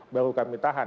baru kami tahan